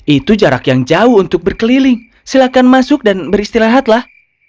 itu jarak yang jauh untuk berkeliling silahkan masuk dan beristirahatlah